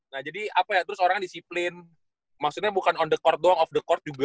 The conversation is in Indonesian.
nah jadi apa ya terus orangnya disiplin maksudnya bukan on the court doang of the court juga